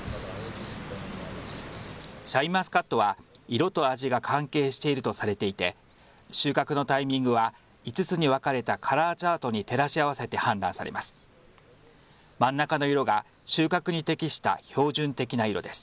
シャインマスカットは色と味が関係しているとされていて収穫のタイミングは５つに分かれたカラーチャートに照らし合わせて判断されます。